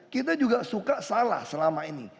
kita juga suka salah selama ini